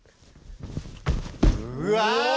うわ！